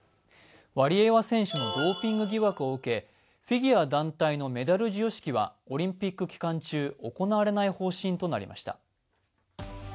ワリエワ選手のドーピング疑惑を受けフィギュア団体のメダル授与式はオリンピック期間中、行われない方針となりました。